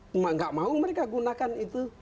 enggak mau mereka gunakan itu